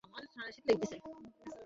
ঐ টেস্টটি ড্রয়ে পরিণত হয়েছিল।